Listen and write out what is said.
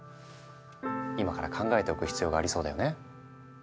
今から考えておく必要がありそうだよね。